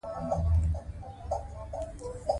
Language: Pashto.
ایا ده د جنګي الوتکو پیلوټ دی؟